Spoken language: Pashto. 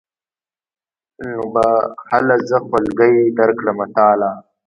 نو به هله زه خولګۍ درکړمه تاله.